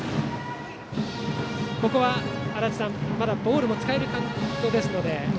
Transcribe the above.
ここは足達さん、まだボールも使えるカウントですので。